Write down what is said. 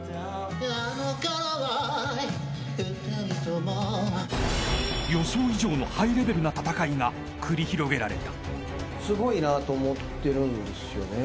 「あの頃はふたり共」［予想以上のハイレベルな戦いが繰り広げられた］